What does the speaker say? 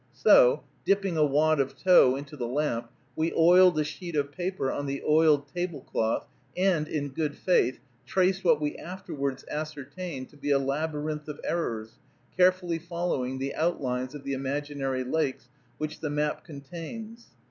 So, dipping a wad of tow into the lamp, we oiled a sheet of paper on the oiled table cloth, and, in good faith, traced what we afterwards ascertained to be a labyrinth of errors, carefully following the outlines of the imaginary lakes which the map contains.